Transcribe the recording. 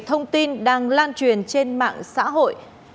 thông tin đang lan truyền trên mạng xã hội